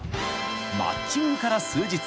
［マッチングから数日］